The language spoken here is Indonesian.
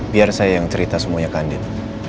biar saya yang cerita semuanya ke andin